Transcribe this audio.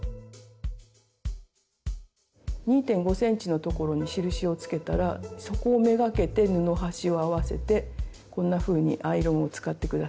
２．５ｃｍのところに印をつけたらそこを目がけて布端を合わせてこんなふうにアイロンを使って下さい。